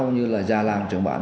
cũng như là già làng trưởng bản